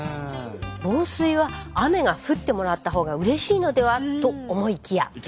防水は雨が降ってもらったほうがうれしいのではと思いきや。